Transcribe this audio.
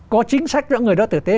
có chính sách cho những người đó tử tế